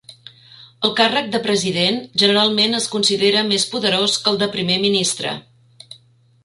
El càrrec de president generalment es considera més poderós que el de primer ministre.